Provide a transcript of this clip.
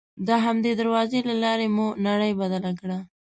د همدې دروازې له لارې مو نړۍ بدله کړه.